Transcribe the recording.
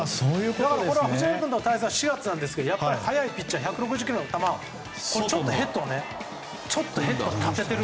だから、藤浪君の対戦は４月なので、速いピッチャーで１６０キロの球ちょっとヘッドを立てている。